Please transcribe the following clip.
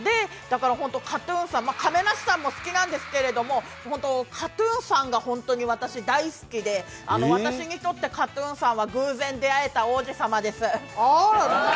亀梨さんも好きなんですけれどもＫＡＴ−ＴＵＮさんが本当に私、大好きで、私にとってＫＡＴ−ＴＵＮさんは偶然出会えた王子様です。